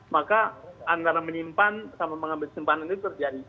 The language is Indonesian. maka antara menyimpan sama mengambil simpanan itu terjadi